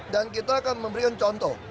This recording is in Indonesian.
dan kita akan memberikan contoh